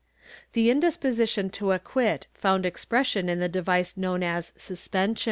^ The indisposition to acquit found expression in the device known as suspension.